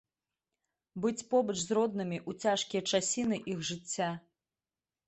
Быць побач з роднымі ў цяжкія часіны іх жыцця.